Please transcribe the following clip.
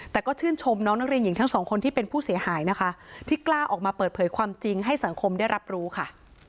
แต่ก็ชื่นชมน้องนักเรียนหญิงทั้งสองคนที่เป็นผู้เสียหายนะคะที่กล้าออกมาเปิดเผยความจริงให้สังคมได้รับรู้ค่ะ